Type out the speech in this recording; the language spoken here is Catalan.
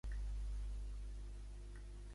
Com sap el consumidor com acaben?